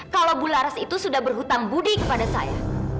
kalau bu laras itu sudah berhutang budi kepada saya